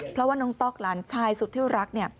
เพราะว่าน้องต๊อกหลานชายสุดที่รักเนี่ย